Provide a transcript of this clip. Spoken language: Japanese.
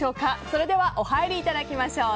それではお入りいただきましょう。